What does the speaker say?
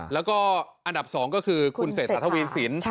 แล้วก็อันดับ๒ก็คือคุณเศรษฐาทวีสิน